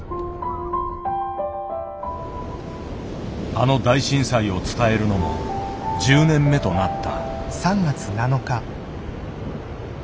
あの大震災を伝えるのも１０年目となった。